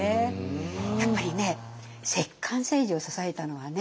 やっぱりね摂関政治を支えたのはね